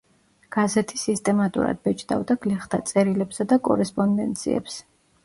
გაზეთი სისტემატურად ბეჭდავდა გლეხთა წერილებსა და კორესპონდენციებს.